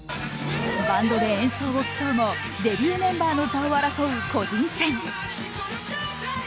バンドで演奏を競うもデビューメンバーの座を争う個人戦。